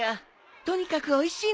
とにかくおいしいのさ。